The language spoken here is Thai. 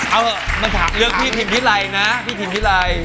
เอาเถอะมาขอตัวเลือกทีมพี่ไลน์นะ